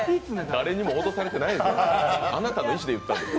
誰にも脅されてないあなたの意思で言った。